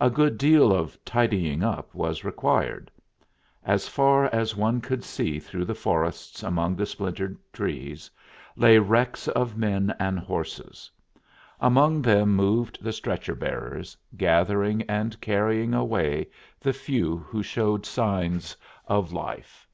A good deal of "tidying up" was required. As far as one could see through the forests, among the splintered trees, lay wrecks of men and horses. Among them moved the stretcher bearers, gathering and carrying away the few who showed signs of life.